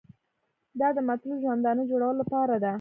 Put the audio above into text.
دا د مطلوب ژوندانه جوړولو لپاره ده.